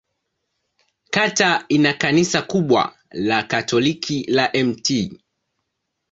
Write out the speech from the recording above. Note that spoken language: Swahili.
Kata ina kanisa kubwa la Katoliki la Mt.